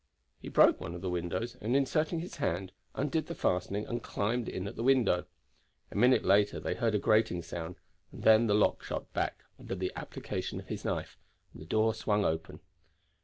He broke one of the windows, and inserting his hand undid the fastening and climbed in at the window. A minute later they heard a grating sound, and then the lock shot back under the application of his knife, and the door swung open.